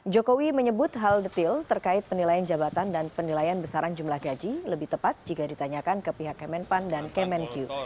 jokowi menyebut hal detil terkait penilaian jabatan dan penilaian besaran jumlah gaji lebih tepat jika ditanyakan ke pihak kemenpan dan kemenq